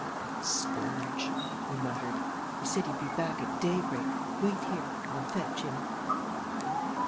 "That's Spurge!" he muttered. "He said he'd be back at day break. Wait here I'll fetch him."